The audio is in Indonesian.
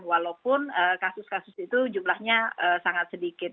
walaupun kasus kasus itu jumlahnya sangat sedikit